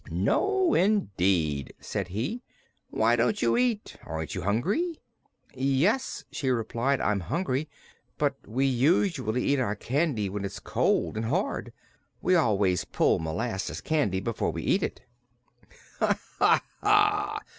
"No indeed," said he. "Why don't you eat? Aren't you hungry?" "Yes," she replied, "I am hungry. But we usually eat our candy when it is cold and hard. We always pull molasses candy before we eat it." "Ha, ha, ha!"